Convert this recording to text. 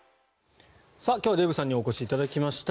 今日はデーブさんにお越しいただきました。